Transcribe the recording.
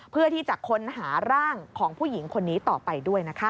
เพื่อที่จะค้นหาร่างของผู้หญิงคนนี้ต่อไปด้วยนะคะ